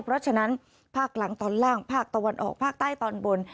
เพราะฉะนั้นภาคกลางตอนล่างภาคตะวันออกภาคใต้ตอนบน